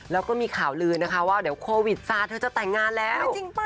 แล้วก็มีข่าวลือนะคะว่าเดี๋ยวโควิดซาเธอจะแต่งงานแล้ว